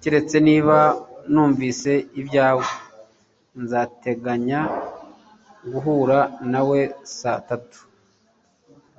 Keretse niba numvise ibyawe nzateganya guhura nawe saa tanu